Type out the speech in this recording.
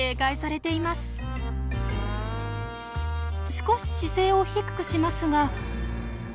少し姿勢を低くしますが。